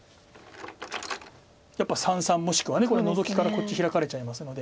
やっぱ三々もしくはこのノゾキからこっちヒラかれちゃいますので。